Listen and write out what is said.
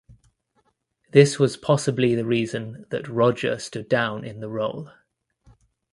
This was possibly the reason that Rodger stood down in the role.